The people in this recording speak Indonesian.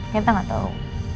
kita nggak tau